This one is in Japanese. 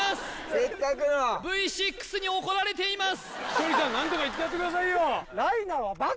せっかくのＶ６に怒られています